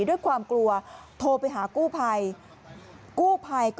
ด้วยความกลัวโทรไปหากู้ภัย